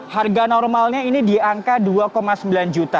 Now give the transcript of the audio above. harga normalnya ini di angka rp dua sembilan ratus